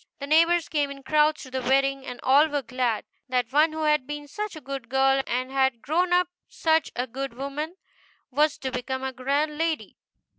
The neighbors came in crowds to the wedding, and all were glad that one who had been such a good girl, and had grown up such a good woman, was to become a grand lady.